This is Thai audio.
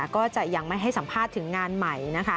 ก็จะยังไม่ให้สัมภาษณ์ถึงงานใหม่